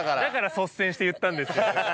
だから率先して言ったんです。